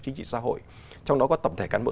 chính trị xã hội trong đó có tập thể cán bộ